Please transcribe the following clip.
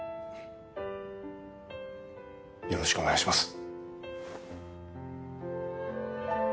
よろしくお願いします。